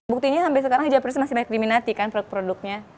buktinya sampai sekarang hijab praktis masih mengekliminati produk produknya